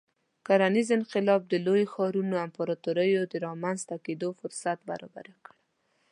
کرنیز انقلاب د لویو ښارونو او امپراتوریو د رامنځته کېدو فرصت برابر کړ.